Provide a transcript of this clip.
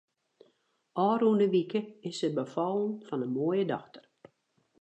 Ofrûne wike is se befallen fan in moaie dochter.